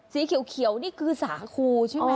สีเขียวนี่คือสาคูใช่ไหม